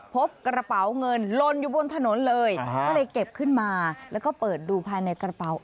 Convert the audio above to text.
พบกระเป๋าเงินลนอยู่บนถนนเลยก็เลยเก็บขึ้นมาแล้วก็เปิดดูภายในกระเป๋า